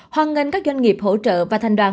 hoàn ngân các doanh nghiệp hỗ trợ và thành đoàn